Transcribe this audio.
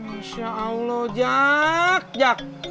insya allah jak jak